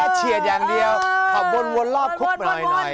แต่แค่เฉียดอย่างเดียวเขาบ่นวนรอกคุกมาหน่อย